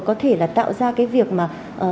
có thể là tạo ra cái việc mà